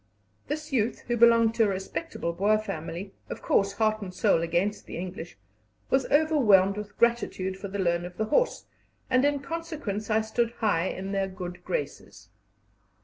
This youth, who belonged to a respectable Boer family of course heart and soul against the English was overwhelmed with gratitude for the loan of the horse, and in consequence I stood high in their good graces.